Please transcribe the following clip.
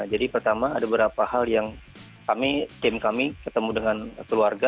jadi pertama ada beberapa hal yang kami tim kami ketemu dengan keluarga